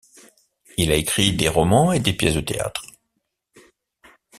Il a écrit des romans et des pièces de théâtre.